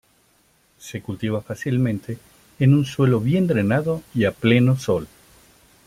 Se cultiva fácilmente, en un suelo bien drenado y a pleno sol.